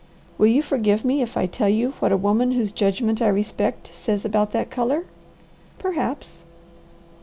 "Will you forgive me if I tell you what a woman whose judgment I respect says about that colour?" "Perhaps!"